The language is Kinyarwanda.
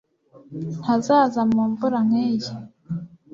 Ntazaza mu mvura nkiyi